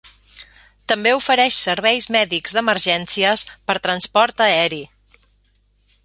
També ofereix serveis mèdics d'emergències per transport aeri.